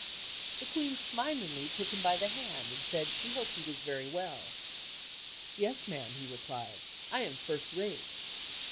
The Queen smilingly took him by the hand, and said she hoped he was very well. "Yes, ma'am," he replied, "I am first rate."